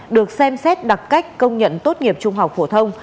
được xem xét đặc cách công nhận tốt nghiệp trung học phổ thông